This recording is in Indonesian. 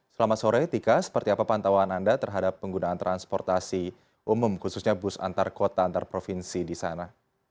selamat sore tika seperti apa pantauan anda terhadap penggunaan transportasi umum khususnya bus antar kota antar provinsi di sana